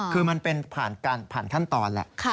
คือมันเป็นผ่านขั้นตอนแหละ